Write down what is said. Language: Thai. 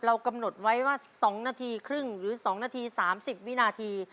กำหนดไว้ว่า๒นาทีครึ่งหรือ๒นาที๓๐วินาที